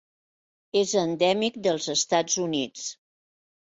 És endèmic dels Estats Units.